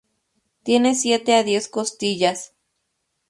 Tiene siete a diez costillas.